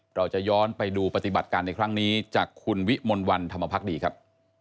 เราจะย้อนไปดูปฏิบัติการในครั้งนี้จากคุณวิมลวันธรรมพักดีครับ